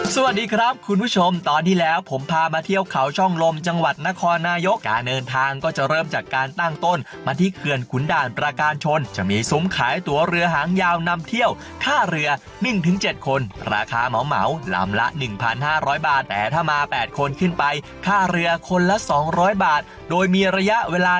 สวัสดีครับคุณผู้ชมตอนที่แล้วผมพามาเที่ยวเขาช่องลมจังหวัดนครนายกการเดินทางก็จะเริ่มจากการตั้งต้นมาที่เขื่อนขุนด่านประการชนจะมีซุ้มขายตัวเรือหางยาวนำเที่ยวท่าเรือ๑๗คนราคาเหมาลำละ๑๕๐๐บาทแต่ถ้ามา๘คนขึ้นไปค่าเรือคนละ๒๐๐บาทโดยมีระยะเวลา